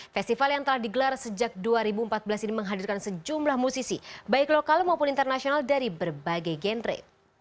festival yang telah digelar sejak dua ribu empat belas ini menghadirkan sejumlah musisi baik lokal maupun internasional dari berbagai genre